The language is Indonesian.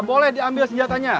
boleh diambil senjatanya